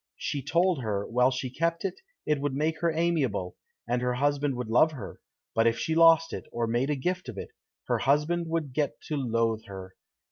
She told her, while she kept it, it would make her amiable, and her husband would love her; but if she lost it, or made a gift of it, her husband would get to loathe her.